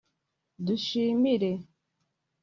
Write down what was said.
dushimire